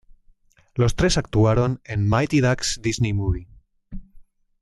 Los tres actuaron en "Mighty Ducks Disney Movie".